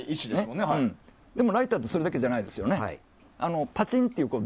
でも、ライターってそれだけじゃないですよね。